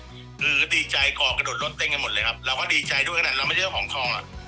คือดีใจก่อกระโดดรถเต้นกันหมดเลยครับเราก็ดีใจด้วยขนาดเราไม่ใช่เจ้าของทองอ่ะ